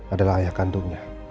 adalah ayah kandungnya